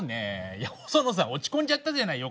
いや細野さん落ち込んじゃったじゃない横で。